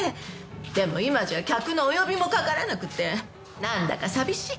でも今じゃ客のお呼びもかからなくてなんだか寂しい。